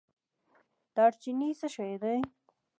دارچینی څه شی دی؟